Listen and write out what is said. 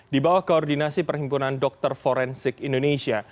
di bawah koordinasi perhimpunan dokter forensik indonesia